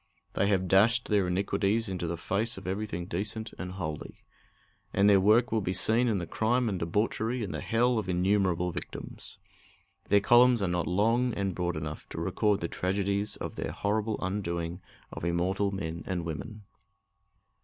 They have dashed their iniquities into the face of everything decent and holy. And their work will be seen in the crime and debauchery and the hell of innumerable victims. Their columns are not long and broad enough to record the tragedies of their horrible undoing of immortal men and women.